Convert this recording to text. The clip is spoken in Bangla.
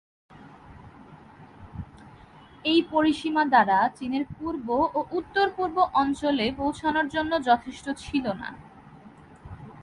এই পরিসীমা দ্বারা চীনের পূর্ব ও উত্তর-পূর্ব অঞ্চলে পৌঁছানোর জন্য যথেষ্ট ছিল না।